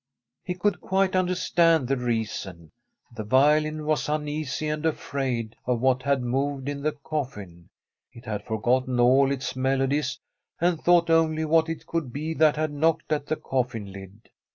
He could quite understand the reason. The violin was uneasy and afraid of what had moved in the coffin. .It had forgotten all its melodies, and thought only of what it could be that had knocked at the coffin lid.